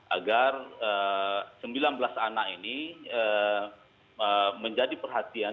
agar sembilan belas anak ini menjadi perhatian